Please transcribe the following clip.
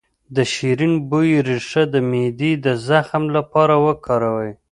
د شیرین بویې ریښه د معدې د زخم لپاره وکاروئ